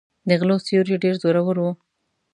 د غلو سیوری ډېر زورور و.